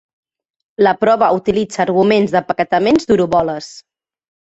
La prova utilitza arguments d'empaquetaments d'horoboles.